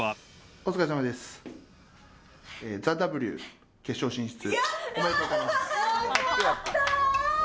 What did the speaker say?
おめでとうございます。